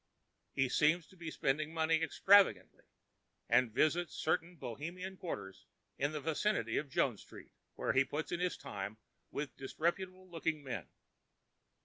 He seems to be spending money extravagantly and visits certain bohemian quarters in the vicinity of Jones Street, where he puts in his time with disreputable looking men.